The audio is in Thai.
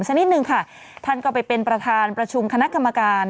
สักนิดนึงค่ะท่านก็ไปเป็นประธานประชุมคณะกรรมการ